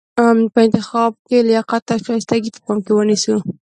په انتخاب کې لیاقت او شایستګي په پام کې ونیسو.